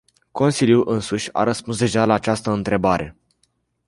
Consiliul însuși a răspuns deja la această întrebare.